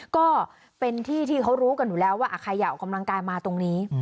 ก็เป็นที่ที่เขารู้กันอยู่แล้วว่าใครอยากออกกำลังกายมาตรงนี้